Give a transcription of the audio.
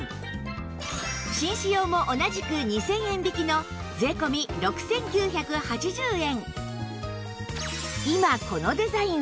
紳士用も同じく２０００円引きの税込６９８０円